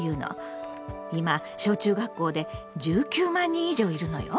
今小中学校で１９万人以上いるのよ。